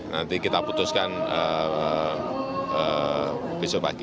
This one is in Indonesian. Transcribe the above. nanti kita putuskan besok pagi